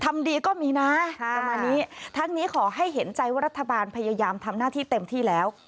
ทำดีก็มีนะประมาณนี้ทั้งนี้ขอให้เห็นใจว่ารัฐบาลพยายามทำหน้าที่เต็มที่แล้ว